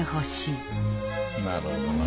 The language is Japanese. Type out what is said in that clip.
なるほどな。